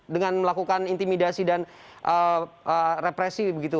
dengan melakukan intimidasi dan represi begitu